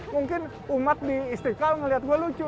mungkin umat di istiqlal melihat gue lucu